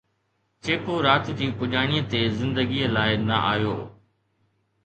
جيڪو رات جي پڄاڻيءَ تي زندگيءَ لاءِ نه آيو